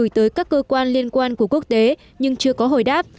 họ đã gửi tới các cơ quan liên quan của quốc tế nhưng chưa có hồi đáp